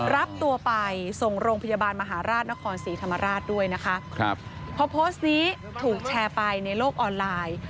รับตัวไปส่งโรงพยาบาลมหาราชนครศรีธรรมราชด้วยนะคะครับพอโพสต์นี้ถูกแชร์ไปในโลกออนไลน์